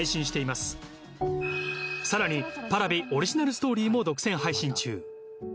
更にＰａｒａｖｉオリジナルストーリーも独占配信中。